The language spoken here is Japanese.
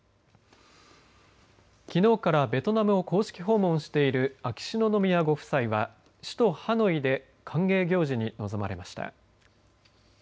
きのうからベトナムを公式訪問している秋篠宮ご夫妻は首都ハノイで歓迎行事に臨まれました。